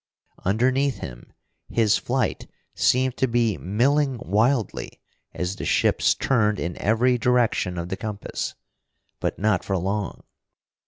Underneath him, his flight seemed to be milling wildly as the ships turned in every direction of the compass. But not for long.